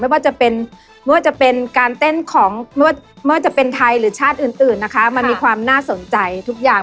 ว่าจะเป็นไม่ว่าจะเป็นการเต้นของไม่ว่าจะเป็นไทยหรือชาติอื่นนะคะมันมีความน่าสนใจทุกอย่าง